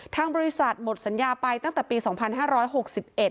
ทางบริษัทหมดสัญญาไปตั้งแต่ปี๒๕๖๑